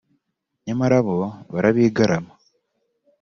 nyamara bo barabigarama